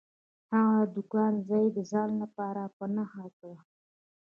هغه د کان ځای د ځان لپاره په نښه کړ.